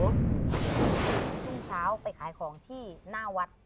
รุ่งเช้าไปขายของที่หน้าวัด